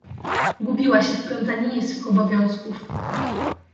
Gubiła się w plątaninie swych obowiązków.